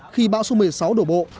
khi bão số một mươi sáu đổ bộ